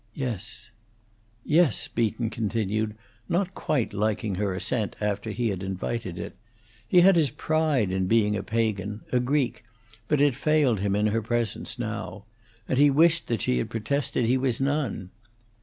"Yes." "Yes," Beaton continued, not quite liking her assent after he had invited it. He had his pride in being a pagan, a Greek, but it failed him in her presence, now; and he wished that she had protested he was none.